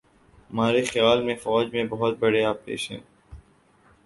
مارے خیال میں فوج میں بہت بڑے آپریشن